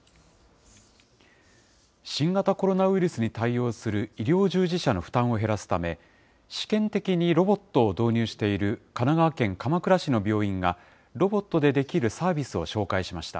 新型コロナウイルスに対応する医療従事者の負担を減らすため、試験的にロボットを導入している神奈川県鎌倉市の病院が、ロボットでできるサービスを紹介しました。